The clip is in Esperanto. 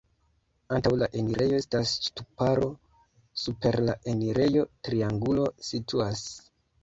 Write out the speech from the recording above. Antaŭ la enirejo estas ŝtuparo, super la enirejo triangulo situas.